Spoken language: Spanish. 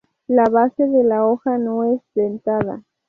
La base de la hoja no es dentada.